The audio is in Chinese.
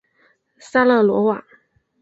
沙勒罗瓦。